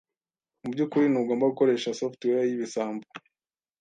Mubyukuri ntugomba gukoresha software yibisambo.